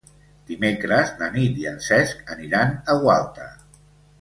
Dimecres na Nit i en Cesc aniran a Gualta.